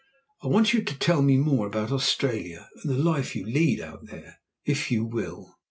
"I want you to tell me more about Australia and the life you lead out there, if you will."